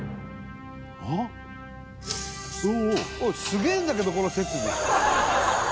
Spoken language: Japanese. すげえんだけどこの設備！